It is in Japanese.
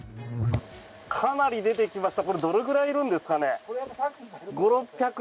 かなり出てきました。